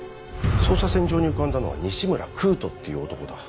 捜査線上に浮かんだのは西村玖翔っていう男だ。